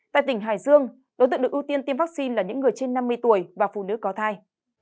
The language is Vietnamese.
tại tỉnh hải dương đối tượng được ưu tiên tiêm vaccine là những người trên năm mươi tuổi và phụ nữ có thai